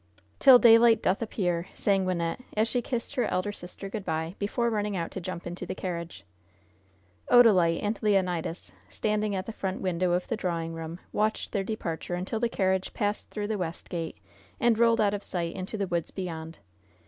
"'Till daylight doth appear,'" sang Wynnette, as she kissed her elder sister good by, before running out to jump into the carriage. Odalite and Leonidas, standing at the front window of the drawing room, watched their departure until the carriage passed through the west gate and rolled out of sight into the woods beyond.